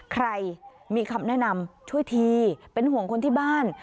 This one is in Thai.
ใครมีคำแนะนำช่วยทีเป็นห่วงคนที่บ้าน